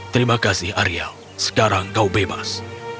terima kasih arya sekarang kau bebas